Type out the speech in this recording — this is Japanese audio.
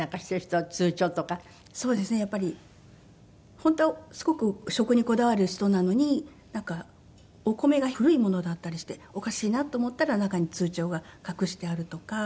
本当はすごく食にこだわる人なのになんかお米が古いものだったりしておかしいなと思ったら中に通帳が隠してあるとか。